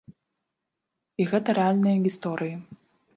І гэта рэальныя гісторыі.